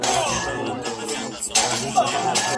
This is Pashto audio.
شاګرد به د څېړني ټول اصول په پام کي نیسي.